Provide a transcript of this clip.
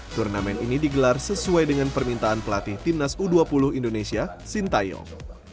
turnamen ini digelar sesuai dengan permintaan pelatih timnas u dua puluh indonesia sintayong